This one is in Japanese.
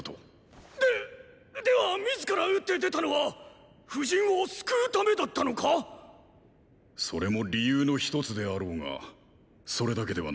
ででは自ら打って出たのは夫人を救うためだったのか⁉それも理由の一つであろうがそれだけではない。